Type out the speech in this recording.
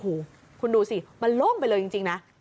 โอ้โหคุณดูสิมันโล่งไปเลยจริงนะ